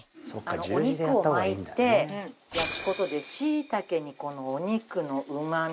お肉を巻いて焼く事でしいたけにこのお肉のうまみが入って。